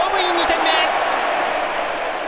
２点目。